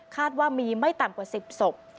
ว่ามีไม่ต่ำกว่า๑๐ศพ